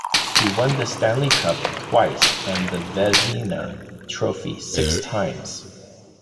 He won the Stanley Cup twice and the Vezina Trophy six times.